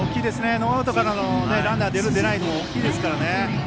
ノーアウトからのランナーが出る、出ないというのは大きいですからね。